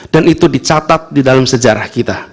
dan itu dicatat di dalam sejarah